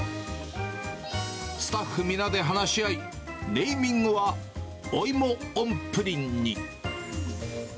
スタッフ皆で話し合い、ネーミングはおいもｏｎプリンに。